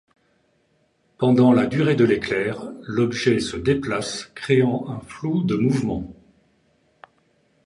Pendant la durée de l'éclair, l'objet se déplace, créant un flou de mouvement.